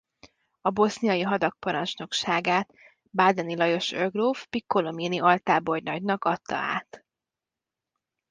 A boszniai hadak parancsnokságát Badeni Lajos őrgróf Piccolomini altábornagynak adta át.